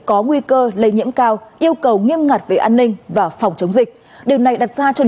có nguy cơ lây nhiễm cao yêu cầu nghiêm ngặt về an ninh và phòng chống dịch điều này đặt ra cho